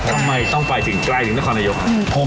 ทำไมต้องไปถึงใกล้ถึงนครนายกครับ